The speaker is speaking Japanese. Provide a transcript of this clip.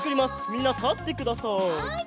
みんなたってください。